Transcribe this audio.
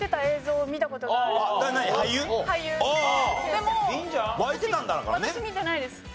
でも私見てないです。